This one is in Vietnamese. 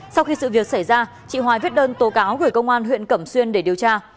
sau khi sự việc xảy ra chị hoài viết đơn tố cáo gửi công an huyện cẩm xuyên để điều tra